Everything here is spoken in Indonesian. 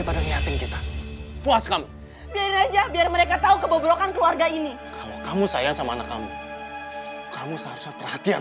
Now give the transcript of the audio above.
puas kamu biar mereka tahu kebobrokan keluarga ini kamu sayang sama anak kamu kamu perhatian